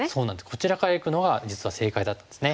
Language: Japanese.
こちらからいくのが実は正解だったんですね。